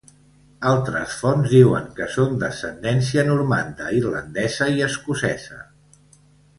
Altres fonts diuen que són d'ascendència normanda, irlandesa i escocesa.